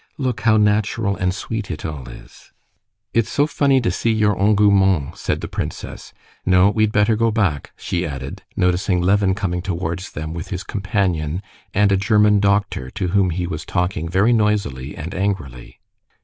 "Look how natural and sweet it all is." "It's so funny to see your engouements," said the princess. "No, we'd better go back," she added, noticing Levin coming towards them with his companion and a German doctor, to whom he was talking very noisily and angrily.